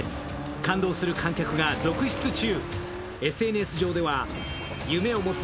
感動する観客が続出中。